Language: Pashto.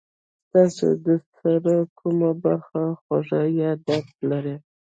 ستاسو د سر کومه برخه خوږ یا درد لري؟